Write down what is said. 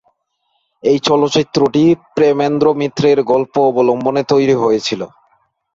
এই চলচ্চিত্রটি প্রেমেন্দ্র মিত্রের গল্প অবলম্বনে তৈরি হয়েছিল।